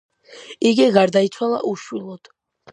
იგი გარდაიცვალა უშვილოდ.